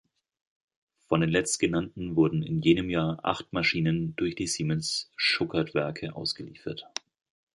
Von den letztgenannten wurden in jenem Jahr acht Maschinen durch die Siemens-Schuckertwerke ausgeliefert.